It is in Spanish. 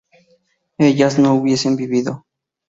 ¿ellas no hubiesen vivido?